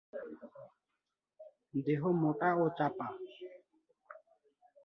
দেহ মোটা ও চাপা।